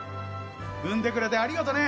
生んでくれてありがとね